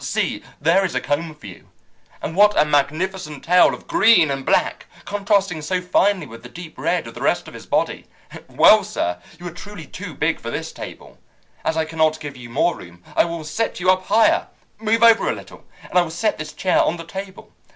See, there is a comb for you! And what a magnificent tail of green and black, contrasting so finely with the deep red of the rest of his body! Well, sir, you are truly too big for this table. As I cannot give you more room, I will set you up higher. Move over a little, and I will set this chair on the table.